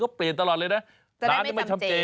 ก็เปลี่ยนตลอดเลยนะร้านไม่ชำเจอ่าจะได้ไม่ชำเจ